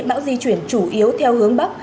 bão di chuyển chủ yếu theo hướng bắc